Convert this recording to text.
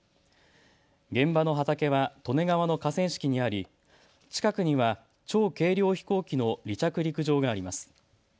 現場の畑は利根川の河川敷にあり近くには超軽量飛行機の離着陸場があります。